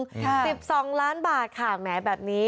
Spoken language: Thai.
สิบสองล้านบาทค่ะแหมแบบนี้